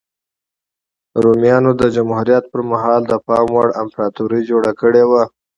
رومیانو د جمهوریت پرمهال د پام وړ امپراتوري جوړه کړې وه